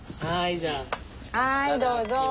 はいどうぞ。